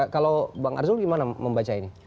kalau bang arzul gimana membaca ini